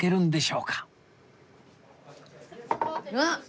うわっ！